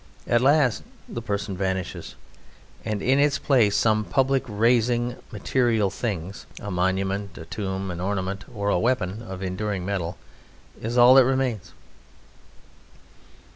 At last the person vanishes, and in its place some public raising material things a monument, a tomb, an ornament, or weapon of enduring metal is all that remains.